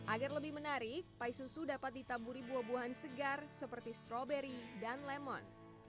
agar lebih menarik pai susu dapat ditaburi buah buahan segar seperti stroberi dan lemon